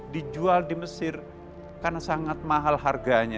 dijual di mesir karena sangat mahal harganya